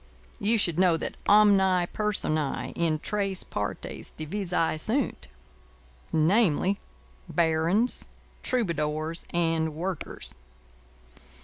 You should know that omnæ personæ in tres partes divisæ sunt. Namely: Barons, Troubadours, and Workers.